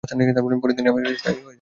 পরে তিনি আমেরিকায় স্থায়ী হয়ে যায়।